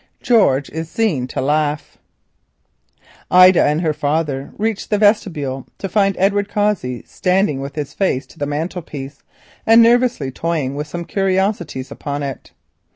GEORGE IS SEEN TO LAUGH Ida and her father reached the vestibule to find Edward Cossey standing with his face to the mantelpiece and nervously toying with some curiosities upon it.